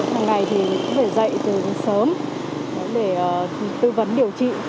hàng ngày thì phải dạy từ sớm để tư vấn điều trị